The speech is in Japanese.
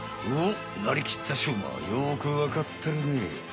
おっなりきったしょうまはよくわかってるね。